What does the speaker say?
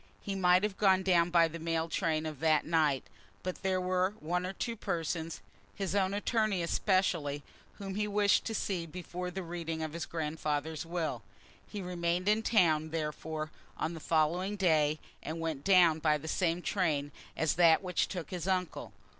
He might have gone down by the mail train of that night, but there were one or two persons, his own attorney especially, whom he wished to see before the reading of his grandfather's will. He remained in town, therefore, on the following day, and went down by the same train as that which took his uncle.